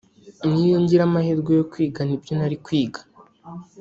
n’iyo ngira amahirwe yo kwiga ni byo nari kwiga